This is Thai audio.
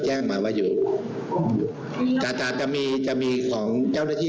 ให้เด็กเป็นอาจจะมีปั๊มป่วยและมีลักษณะอย่างนี้